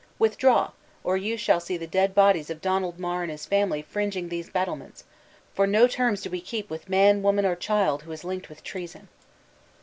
Withdraw, or you shall see the dead bodies of Donald Mar and his family fringing these battlements; for no terms do we keep with man, woman, or child, who is linked with treason!"